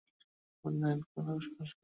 তিনি বর্তমানে North Carolina বসবাস করেন।